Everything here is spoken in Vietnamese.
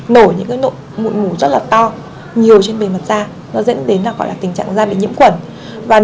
nổi những mụn mủ rất to nhiều trên bề mặt da dẫn đến tình trạng da bị nhiễm khuẩn